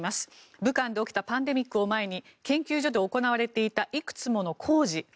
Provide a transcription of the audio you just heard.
武漢で起きたパンデミックを前に研究所で行われていたいくつもの工事。